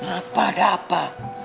apa ada apa